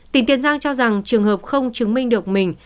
tỉnh tiền giang cho rằng trường hợp không chứng minh được mình